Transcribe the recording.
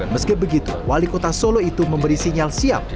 meski begitu wali kota solo itu memberi sinyal siap